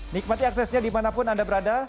nikmati aksesnya dimanapun anda berada